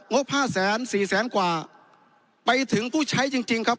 บห้าแสนสี่แสนกว่าไปถึงผู้ใช้จริงจริงครับ